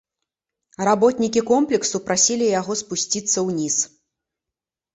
Работнікі комплексу прасілі яго спусціцца ўніз.